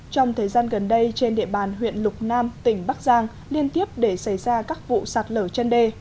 trong thời gian gần đây trên địa bàn huyện lục nam tỉnh bắc giang liên tiếp để xảy ra các vụ sạt lở chân đê